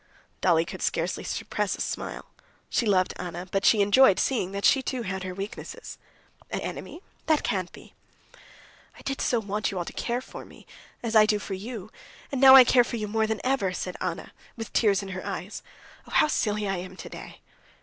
Dolly could scarcely suppress a smile. She loved Anna, but she enjoyed seeing that she too had her weaknesses. "An enemy? That can't be." "I did so want you all to care for me, as I do for you, and now I care for you more than ever," said Anna, with tears in her eyes. "Ah, how silly I am today!"